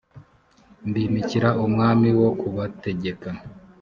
mbimikira umwami wo kubategeka